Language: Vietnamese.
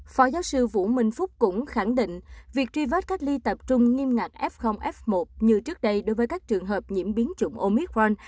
phó giáo sư vũ minh phúc cũng khẳng định việc tri vết cách ly tập trung nghiêm ngạc f f một như trước đây đối với các trường hợp nhiễm biến chủng omicron